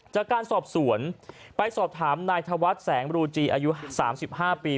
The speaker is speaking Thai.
จากการสอบสวนไปสอบถามนายธวัฒน์แสงรูจีอายุ๓๕ปี